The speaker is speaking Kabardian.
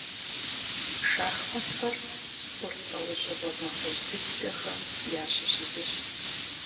Шахматхэр спорт лӏэужьыгъуэ нэхъыжь дыдэхэм ящыщ зыщ.